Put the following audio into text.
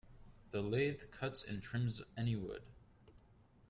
A lathe cuts and trims any wood.